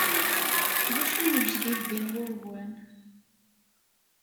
D acu n ujdid din ɣur-wen?